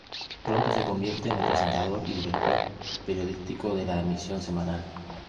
Pronto se convierte en el presentador y director periodístico de la emisión semanal.